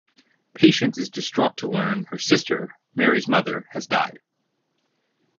Patience is distraught to learn her sister, Mary's mother, has died.